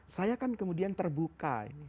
saya kan kemudian terbuka